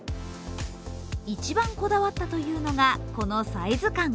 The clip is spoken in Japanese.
一番こだわったというのがこのサイズ感。